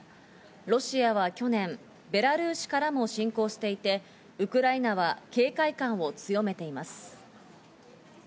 ロシアは去年、ベラルーシからも侵攻していて、ウクライナは警戒感を強めています。